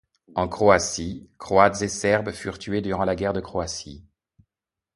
En Croatie, croates et serbes furent tués durant la guerre de Croatie.